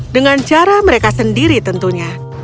dengan cara mereka sendiri tentunya